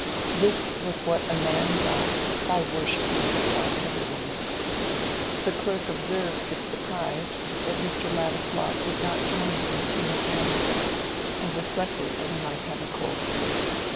This was what a man got by worshipping the sight of a woman! The clerk observed with surprise that Mr. Ladislaw did not join in the tune of Hanover, and reflected that he might have a cold.